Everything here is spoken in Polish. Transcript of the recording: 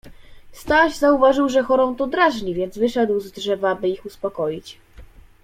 Staś zauważył, że chorą to drażni, więc wyszedł z drzewa, by ich uspokoić.